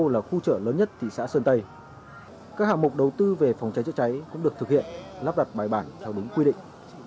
lắp đặt bài bản theo đúng quy định